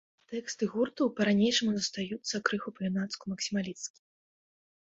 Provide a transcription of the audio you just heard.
Тэксты гурта па-ранейшаму застаюцца крыху па-юнацку максімалісцкімі.